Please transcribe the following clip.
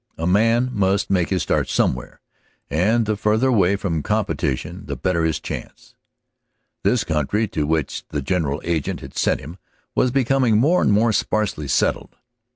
A man must make his start somewhere, and the farther away from competition the better his chance. This country to which the general agent had sent him was becoming more and more sparsely settled.